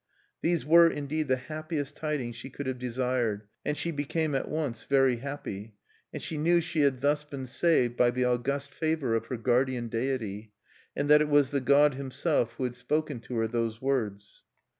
These were, indeed, the happiest tidings she could have desired, and she became at once very happy. And she knew she had thus been saved by the august favor of her guardian deity, and that it was the god himself who had spoken to her those words.